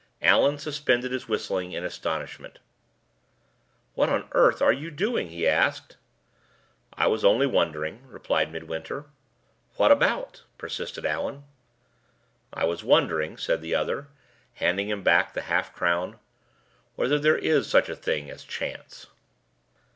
Allan suspended his whistling in astonishment. "What on earth are you doing?" he asked. "I was only wondering," replied Midwinter. "What about?" persisted Allan. "I was wondering," said the other, handing him back the half crown, "whether there is such a thing as chance."